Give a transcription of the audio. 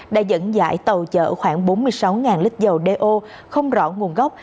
đã dẫn dãi tàu chở khoảng bốn mươi sáu lít dầu do không rõ nguồn gốc